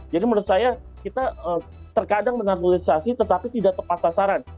jadi menurut saya kita terkadang dengan naturalisasi tetapi tidak tepat sasaran